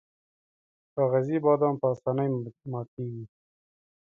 کاغذي بادام په اسانۍ ماتیږي.